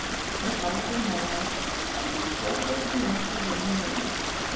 He calls her "Ma," and seems restless unless she's in the room.